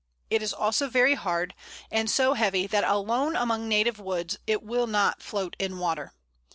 It is also very hard, and so heavy that alone among native woods it will not float in water.